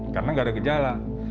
karena nggak ada gejala